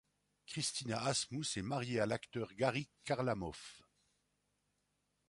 Kristina Asmous est mariée à l'acteur Garik Kharlamov.